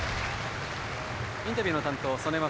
インタビューの担当曽根優